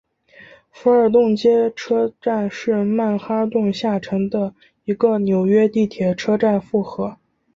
福尔顿街车站是曼哈顿下城的一个纽约地铁车站复合。